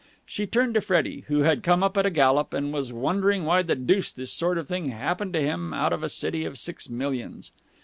She turned to Freddie, who had come up at a gallop and was wondering why the deuce this sort of thing happened to him out of a city of six millions.